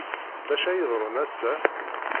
D acu ara yeḍrun ass-a?